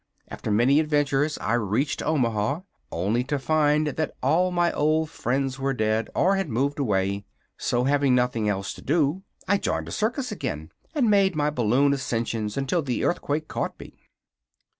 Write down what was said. After many adventures I reached Omaha, only to find that all my old friends were dead or had moved away. So, having nothing else to do, I joined a circus again, and made my balloon ascensions until the earthquake caught me."